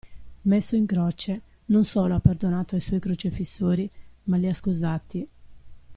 Messo in croce, non solo ha perdonato ai suoi crocefissori, ma li ha scusati.